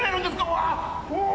うわ！？